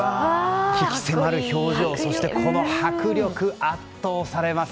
鬼気迫る表情、この迫力圧倒されます！